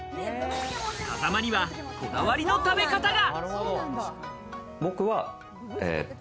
風間にはこだわりの食べ方が。